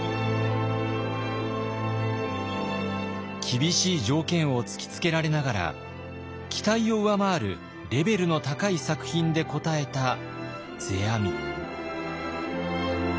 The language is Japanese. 厳しい条件を突きつけられながら期待を上回るレベルの高い作品で応えた世阿弥。